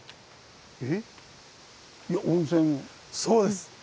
そうです！